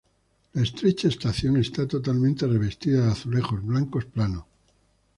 La estrecha estación está totalmente revestida de azulejos blancos planos.